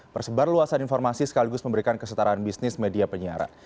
persebar luasan informasi sekaligus memberikan kesetaraan bisnis media penyiaran